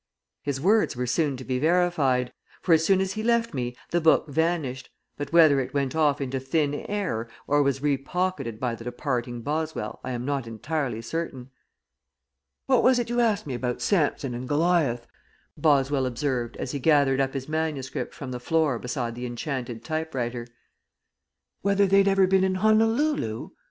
His words were soon to be verified, for as soon as he left me the book vanished, but whether it went off into thin air or was repocketed by the departing Boswell I am not entirely certain. "What was it you asked me about Samson and Goliath?" Boswell observed, as he gathered up his manuscript from the floor beside the Enchanted Typewriter. "Whether they'd ever been in Honolulu?"